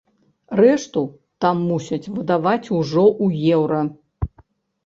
Рэшту там мусяць выдаваць ужо ў еўра.